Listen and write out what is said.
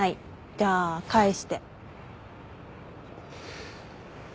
じゃあ返して。